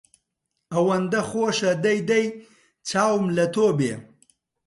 ئەوەندە خۆشە دەی دەی چاوم لە تۆ بێ